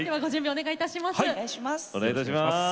お願いいたします。